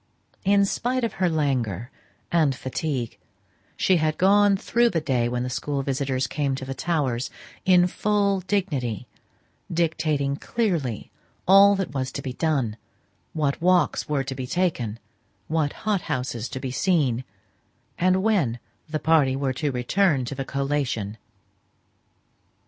In spite of her languor and fatigue, she had gone through the day when the school visitors came to the Towers, in full dignity, dictating clearly all that was to be done, what walks were to be taken, what hothouses to be seen, and when the party were to return to the "collation."